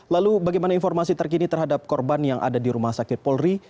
lalu bagaimana informasi terkini terhadap korban yang ada di rumah sakit polri